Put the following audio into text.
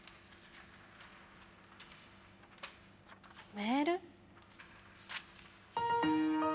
メール？